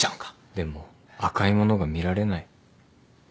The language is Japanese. でも赤いものが見られない。